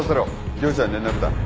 業者に連絡だ。